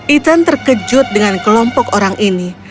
ethan terkejut dengan kelompok orang ini